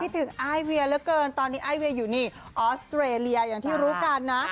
ถึงอายเวียเหลือเกินตอนนี้ไอเวียอยู่นี่ออสเตรเลียอย่างที่รู้กันนะ